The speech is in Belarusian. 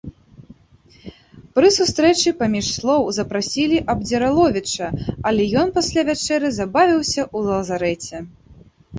Пры сустрэчы, паміж слоў, запрасілі Абдзіраловіча, але ён пасля вячэры забавіўся ў лазарэце.